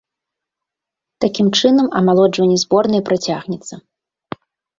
Такім чынам, амалоджванне зборнай працягнецца.